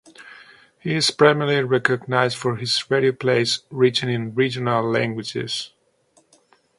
He is primarily recognized for his radio plays written in regional languages.